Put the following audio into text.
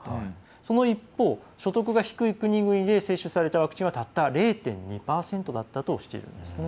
その一方、所得が低い国々で接種されたワクチンはたった０．２％だったということです。